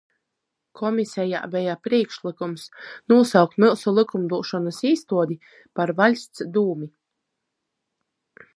Komisejā beja prīšklykums nūsaukt myusu lykumdūšonys īstuodi par "Vaļsts Dūmi",